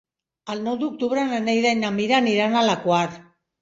El nou d'octubre na Neida i na Mira aniran a la Quar.